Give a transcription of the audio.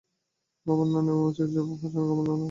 খবর না-দেওয়ার উচিত জবাব হচ্ছে খবর না-নেওয়া।